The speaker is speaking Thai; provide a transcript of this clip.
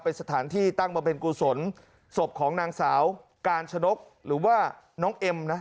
เป็นสถานที่ตั้งบำเพ็ญกุศลศพของนางสาวกาญชนกหรือว่าน้องเอ็มนะ